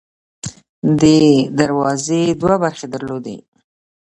دې دروازې دوه برخې درلودې.